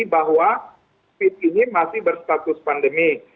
bahwa covid ini masih berstatus pandemi